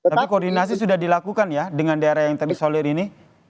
tapi koordinasi sudah dilakukan ya dengan daerah yang terisolir ini